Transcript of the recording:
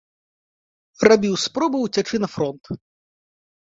Рабіў спробы ўцячы на фронт.